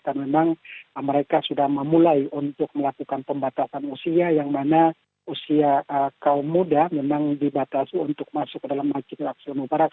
dan memang mereka sudah memulai untuk melakukan pembatasan usia yang mana usia kaum muda memang dibatasi untuk masuk ke dalam masjid al aqsa al mubarak